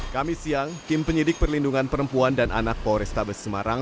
kami siang tim penyidik perlindungan perempuan dan anak polrestabes semarang